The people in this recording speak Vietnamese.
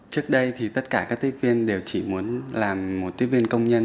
trước đây thì tất cả các tiếp viên đều chỉ muốn làm một tiếp viên công nhân